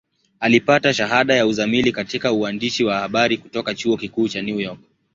Alipata shahada ya uzamili katika uandishi wa habari kutoka Chuo Kikuu cha New York.